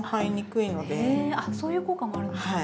へえそういう効果もあるんですね。